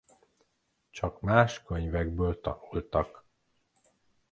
Csak más könyvekből tanultak.